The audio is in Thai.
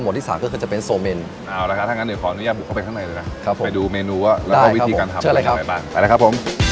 วันนี้จะแนะนำเมนูอะไรดีครับ